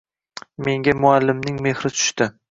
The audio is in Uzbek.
Menga muallimning mehri tushdi.